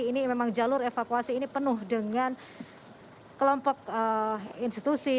jadi ini memang jalur evakuasi ini penuh dengan kelompok institusi